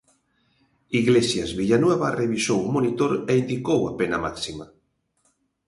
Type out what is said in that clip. Iglesias Villanueva revisou o monitor e indicou a pena máxima.